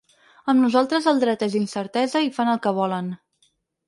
Amb nosaltres el dret és incertesa i fan el que volen.